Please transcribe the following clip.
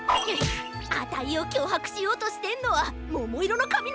あたいをきょうはくしようとしてんのはももいろのかみのおとこなのか！？